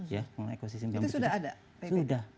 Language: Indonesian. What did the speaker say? itu sudah ada